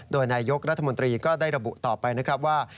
โดยนายยกรัฐมนตรีก็ได้ระบุต่อไปนะครับว่า